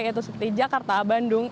yaitu jakarta bandung